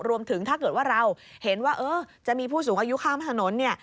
รวมถึงถ้าเกิดว่าเราเห็นว่าจะมีผู้สูงอายุข้ามถนนเนี่ย